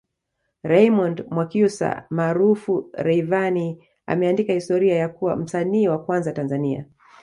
Raymond Mwakyusa maarufu Rayvanny ameandika historia ya kuwa msanii wa kwanza Tanzania